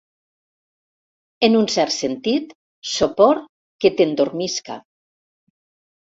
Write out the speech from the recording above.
En un cert sentit, sopor que t'endormisca.